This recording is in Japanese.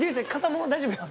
もう大丈夫よ。